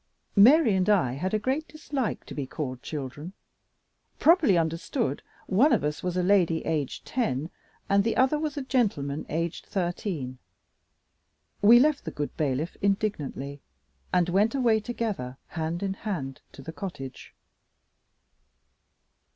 Mary and I had a great dislike to be called children. Properly understood, one of us was a lady aged ten, and the other was a gentleman aged thirteen. We left the good bailiff indignantly, and went away together, hand in hand, to the cottage.